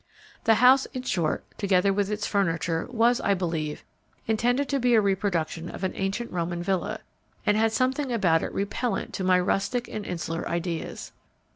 The house, in short, together with its furniture, was, I believe, intended to be a reproduction of an ancient Roman villa, and had something about it repellent to my rustic and insular ideas.